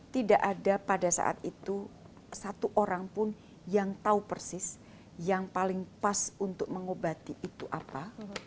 tidak ada pada saat itu satu orang pun yang tahu persis yang paling pas untuk mengobati itu apa